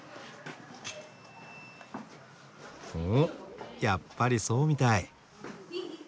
おやっぱりそうみたい。